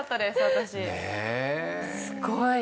私すごい！